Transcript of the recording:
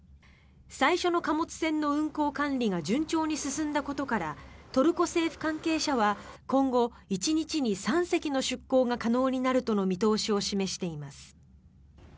最初の貨物船の運航管理が順調に進んだことからトルコ政府関係者は今後、１日に３隻の出港が可能になるとの見通しを示しています。